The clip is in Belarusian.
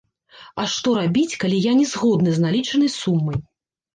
А што рабіць, калі я не згодны з налічанай сумай?